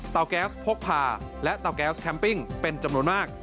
แก๊สพกผ่าและเตาแก๊สแคมปิ้งเป็นจำนวนมาก